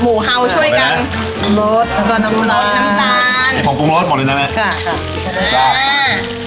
หมูเฮ้าช่วยกันแล้วก็น้ำกลดน้ำจานน้ำจานใหม่